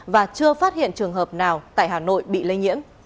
và chưa phát hiện trường hợp nào tại hà nội bị lây nhiễm